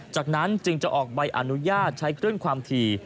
จากนั้นจึงจะออกใบอนุญาตใช้คลื่นความถี่